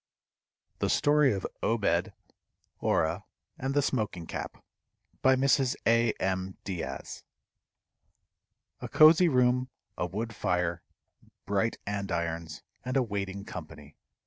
THE STORY OF OBED, ORAH, AND THE SMOKING CAP. BY MRS. A. M. DIAZ. A cozy room, a wood fire, bright andirons, and a waiting company.